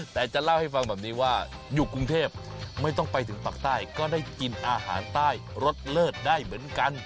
แต่จะเล่าให้ฟังแบบนี้ว่าอยู่กรุงเทพไม่ต้องไปถึงปากใต้ก็ได้กินอาหารใต้รสเลิศได้เหมือนกัน